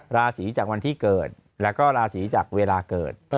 ราศีจากวันที่เกิดแล้วก็ราศีจากเวลาเกิด